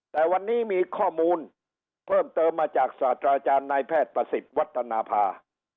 แต่วันนี้มีข้อมูลเพิ่มเติมมาจากศาสตราจารย์นายแพทย์ประสิทธิ์วัฒนภา